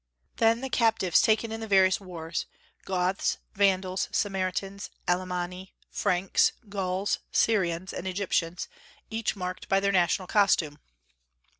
Then the captives taken in the various wars, Goths, Vandals, Samaritans, Alemanni, Franks, Gauls, Syrians, and Egyptians, each marked by their national costume.